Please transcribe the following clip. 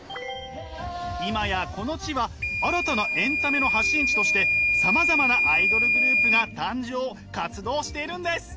今やこの地は新たなエンタメの発信地としてさまざまなアイドルグループが誕生活動しているんです。